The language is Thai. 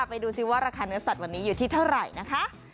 ไปดูซิว่าราคาเนื้อสัตว์วันนี้อยู่ที่เท่าไหร่นะคะ